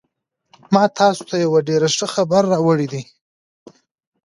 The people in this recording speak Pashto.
ما تاسو ته یو ډېر ښه خبر راوړی دی